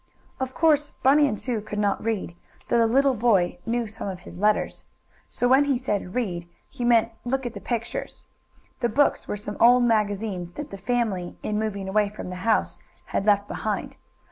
Of course Bunny and Sue could not read, though the little boy knew some of his letters. So when he said "read" he meant look at the pictures. The books were some old magazines that the family, in moving away from the house, had left behind.